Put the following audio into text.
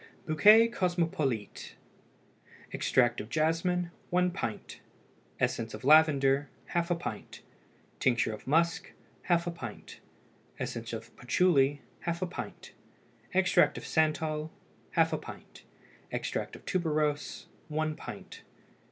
BOUQUET COSMOPOLITE. Extract of jasmine 1 pint. Essence of lavender ½ pint. Tincture of musk ½ pint. Essence of patachouly ½ pint. Extract of santal ½ pint. Extract of tuberose 1 pint.